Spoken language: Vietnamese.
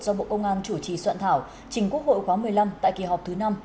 do bộ công an chủ trì soạn thảo trình quốc hội khóa một mươi năm tại kỳ họp thứ năm